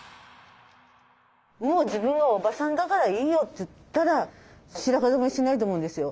「もう自分はおばさんだからいいよ」って言ったら白髪染めしないと思うんですよ。